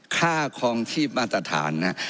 ค่าคลองชีพมาตรฐานนะ